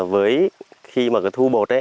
với khi mà thu bột